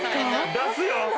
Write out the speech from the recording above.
出すよ！